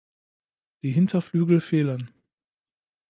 Die Hinterflügel fehlen.